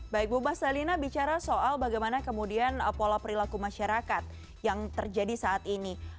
baik bu mas dalina bicara soal bagaimana kemudian pola perilaku masyarakat yang terjadi saat ini